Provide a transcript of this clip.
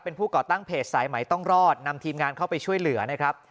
เป็นผู้ก่อตั้งเพจสายไหมต้องรอดนำทีมงานเข้าไปช่วยเหลือนะครับ